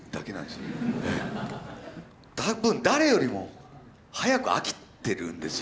多分誰よりも早く飽きてるんですよ。